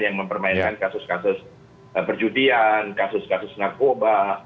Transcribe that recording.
yang mempermainkan kasus kasus perjudian kasus kasus narkoba